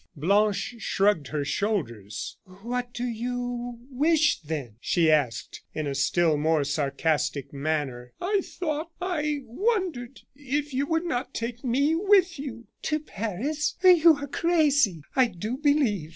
Blanche shrugged her shoulders. "What do you wish, then?" she asked, in a still more sarcastic manner. "I thought I wondered if you would not take me with you." "To Paris! You are crazy, I do believe.